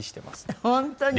あっ本当に。